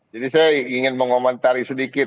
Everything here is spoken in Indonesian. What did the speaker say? jadi saya ingin mengomentari sedikit